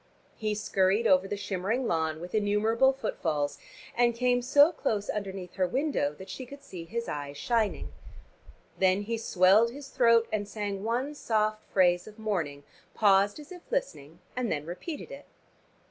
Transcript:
He scurried over the shimmering lawn with innumerable footfalls, and came so close underneath her window that she could see his eyes shining. Then he swelled his throat, and sang one soft phrase of morning, paused as if listening and then repeated it.